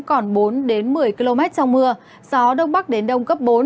còn bốn đến một mươi km trong mưa gió đông bắc đến đông cấp bốn